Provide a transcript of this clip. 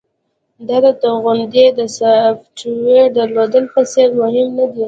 دا د توغندي د سافټویر درلودلو په څیر مهم ندی